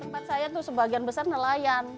tempat saya itu sebagian besar nelayan